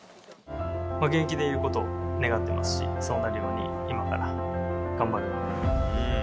現役でいることを願っていますし、そうなるように今から頑張るんで。